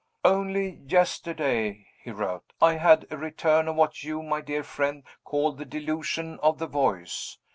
"Only yesterday," he wrote, "I had a return of what you, my dear friend, call 'the delusion of the voice.